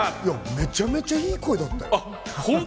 めちゃめちゃいい声だったよ。